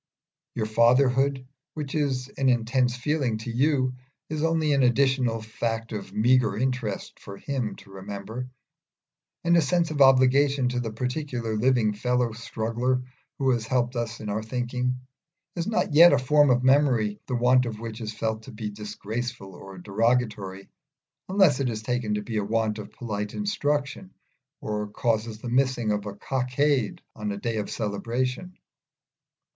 Your fatherhood, which is an intense feeling to you, is only an additional fact of meagre interest for him to remember; and a sense of obligation to the particular living fellow struggler who has helped us in our thinking, is not yet a form of memory the want of which is felt to be disgraceful or derogatory, unless it is taken to be a want of polite instruction, or causes the missing of a cockade on a day of celebration.